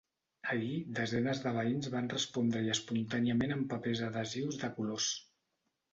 Ahir, desenes de veïns van respondre-hi espontàniament amb papers adhesius de colors.